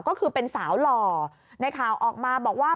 ก็คือเป็นสาวหล่อในข่าวออกมาบอกว่า